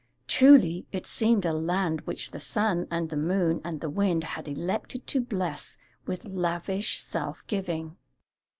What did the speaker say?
Truly, it seemed a land which the sun and the moon and the wind had elected to bless with lavish self giving.